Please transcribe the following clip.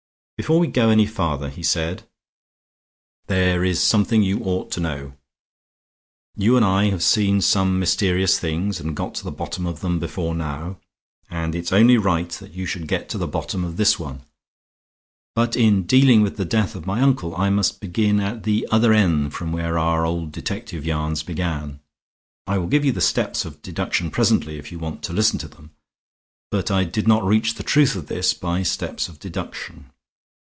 "Before we go any farther," he said, "there is something you ought to know. You and I have seen some mysterious things and got to the bottom of them before now; and it's only right that you should get to the bottom of this one. But in dealing with the death of my uncle I must begin at the other end from where our old detective yarns began. I will give you the steps of deduction presently, if you want to listen to them; but I did not reach the truth of this by steps of deduction.